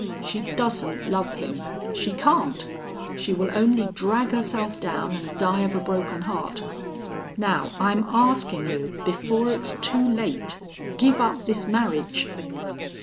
She doesn't love him. She can't. She will only drag herself down an' die of a broken heart.... Now, I'm askin' you, before it's too late give up this marriage."